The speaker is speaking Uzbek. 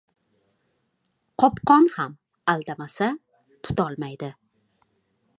• Qopqon ham aldamasa tutolmaydi.